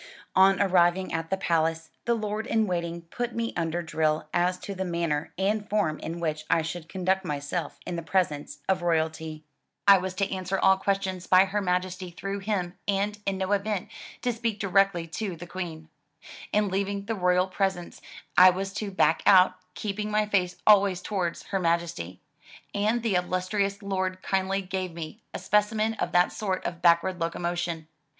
On arriving at the Palace, the Lord in Waiting put me under drill as to the manner and form in which I should conduct myself in the presence of royalty. I was to answer all questions by her Majesty through him, and, in no event, to speak directly to the i65 MY BOOK HOUSE Queen. In leaving the royal presence, I was to "back out/' keeping my face always towards Her Majesty, and the illus trious lord kindly gave me a specimen of that sort of backward locomotion.